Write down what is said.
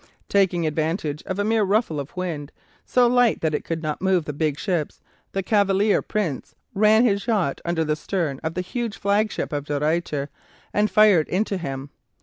Taking advantage of a mere ruffle of wind, so light that it could not move the big ships, the Cavalier Prince ran his yacht under the stern of the huge flagship of De Ruyter, and fired into him.